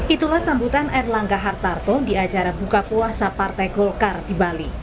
itulah sambutan erlangga hartarto di acara buka puasa partai golkar di bali